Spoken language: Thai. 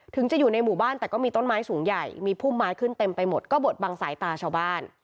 ถึงจะอยู่ในหมู่บ้านแต่ก็มีต้นไม้สูงใหญ่มีพุ่มไม้ขึ้นเต็มไปหมดก็บดบังสายตาชาวบ้าน